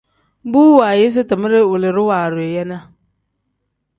Bu waayisi timere wilidu waadu yi ne.